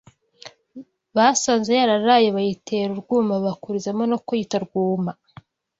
”, basanze yararaye bayitera urwuma bakurizaho no kuyita “Rwuma”